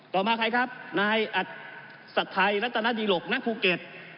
ต่อมาใครครับนายอัศไทยรัตนดีหลกนครูเก็ต